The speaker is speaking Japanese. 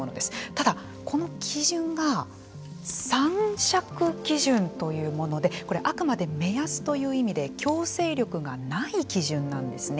ただ、この基準が参酌基準というものでこれはあくまで目安という意味で強制力がない基準なんですね。